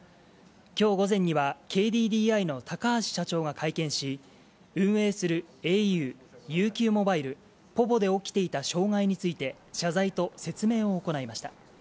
きょう午前には、ＫＤＤＩの高橋社長が会見し、運営するａｕ、ＵＱモバイル、ｐｏｖｏで起きていた障害について、謝罪と説明を行いました。